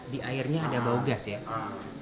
di airnya ada bau gas ya